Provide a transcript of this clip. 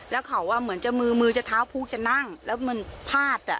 แล้วเขาเหมือนจะมือมือจะเท้าพุกจะนั่งแล้วมันพาดอ่ะ